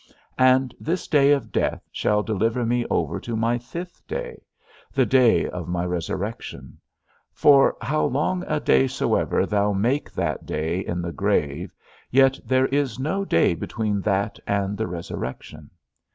And this day of death shall deliver me over to my fifth day, the day of my resurrection; for how long a day soever thou make that day in the grave, yet there is no day between that and the resurrection.